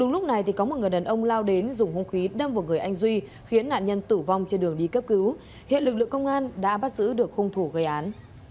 lúc này có một người đàn ông lao đến dùng hung khí đâm vào người anh duy khiến nạn nhân tử vong trên đường đi cấp cứu hiện lực lượng công an đã bắt giữ được hung thủ gây án